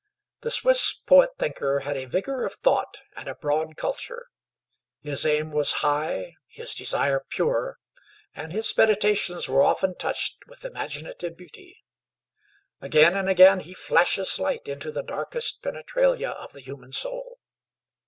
The Swiss poet thinker had a vigor of thought and a broad culture; his aim was high, his desire pure, and his meditations were often touched with imaginative beauty. Again and again he flashes light into the darkest penetralia of the human soul.